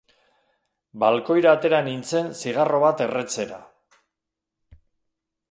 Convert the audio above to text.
Balkoira atera nintzen zigarro bat erretzera.